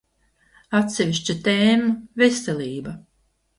Atsevišķa tēma – veselība.